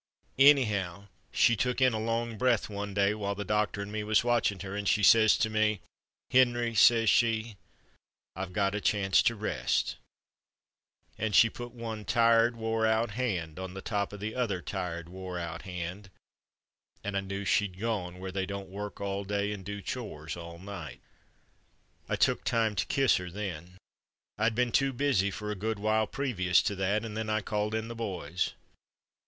Any how, she took in a long breath one day while the doctor and me was watchin' her, and she says to me, 'Henry,' says she, 'I've got a chance to rest,' and she put one tired, wore out hand on top of the other tired, wore out hand, and I knew she'd gone where they don't work all day and do chores all night. "I took time to kiss her then. I'd been too busy for a good while previous to that, and then I called in the boys.